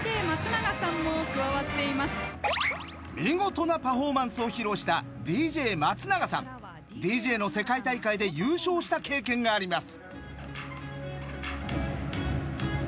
見事なパフォーマンスを披露したＤＪの世界大会で優勝した経験があります。